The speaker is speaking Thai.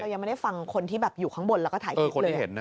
ยังไม่ได้ฟังคนที่แบบอยู่ข้างบนแล้วก็ถ่ายคลิปเลย